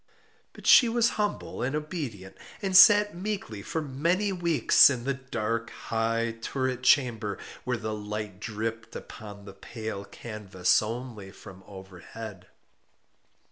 But she was humble and obedient, and sat meekly for many weeks in the dark, high turret chamber where the light dripped upon the pale canvas only from overhead.